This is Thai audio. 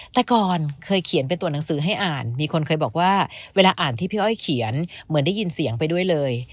แต่ก่อนเคยเขียนเป็นตัวหนังสือให้อ่านมีคนเคยบอกว่าเวลาอ่านที่พี่อ้อยเขียนเหมือนได้ยินเสียงไปด้วยเลย